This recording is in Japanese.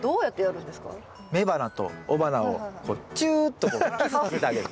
雌花と雄花をこうチューッとこうキスさせてあげる。